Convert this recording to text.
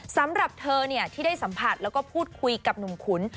สำหรับเธอที่ได้สัมผัสแล้วก็พูดคุยกับหนุ่มขุน